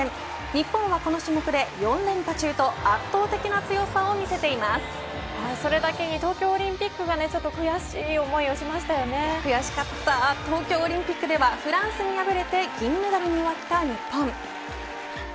日本はこの種目で４連覇中とそれだけに東京オリンピックは東京オリンピックではフランスに敗れて銀メダルに終わった日本。